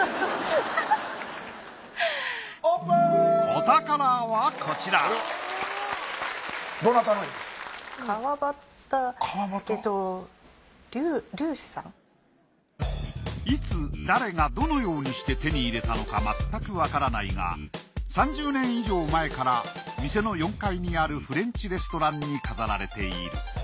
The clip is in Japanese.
お宝はこちらいつ誰がどのようにして手に入れたのかまったくわからないが３０年以上前から店の４階にあるフレンチレストランに飾られている。